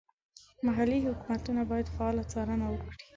محلي حکومتونه باید فعاله څارنه وکړي.